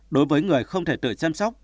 đối với người không thể tự chăm sóc